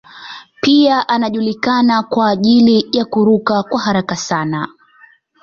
Pia anajulikana kwa ajili ya kuruka kwa haraka sana.